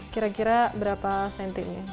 kira kira berapa sentimenya